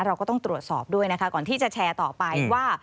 เราก็ต้องตรวจสอบด้วยนะคะก่อนที่จะแชร์ต่อไปว่า